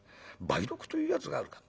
梅毒というやつがあるか。